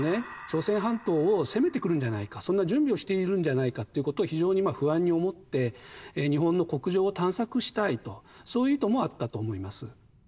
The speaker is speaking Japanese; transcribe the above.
朝鮮半島を攻めてくるんじゃないかそんな準備をしているんじゃないかっていうことを非常に不安に思って日本の国情を探索したいとそういう意図もあったと思います。